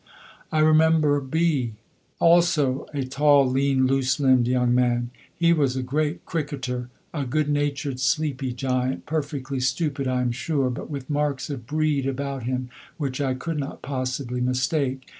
I remember B also, a tall, lean, loose limbed young man. He was a great cricketer, a good natured, sleepy giant, perfectly stupid (I am sure) but with marks of breed about him which I could not possibly mistake.